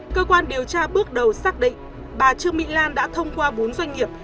cơ quan điều tra bước đầu xác định bà trương mỹ lan đã thông qua bốn doanh nghiệp